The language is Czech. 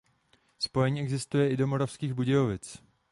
Spojení existuje i do Moravských Budějovic.